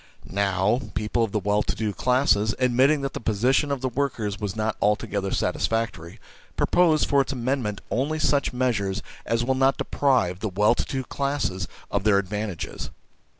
Now, people of the well to do classes, admitting that the position of the workers is not altogether satisfactory, propose for its amendment only such measures as will not deprive the well to do classes of their advantages.